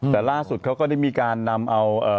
แต่ล่าสุดเขาก็ได้มีการนำเอา